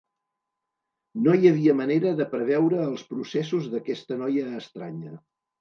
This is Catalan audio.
No hi havia manera de preveure els processos d'aquesta noia estranya.